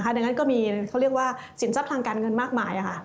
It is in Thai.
ดังนั้นก็มีสินทรัพย์ทางการเงินมากมาย